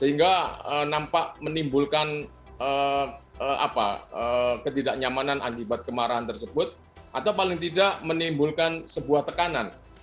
sehingga nampak menimbulkan ketidaknyamanan akibat kemarahan tersebut atau paling tidak menimbulkan sebuah tekanan